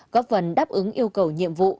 góp phần đáp ứng yêu cầu nhiệm vụ